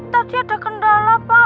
tadi ada kendala pak